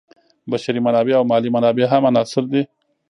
بشري منابع او مالي منابع هم عناصر دي.